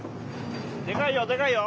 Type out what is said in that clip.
でかいよでかいよ！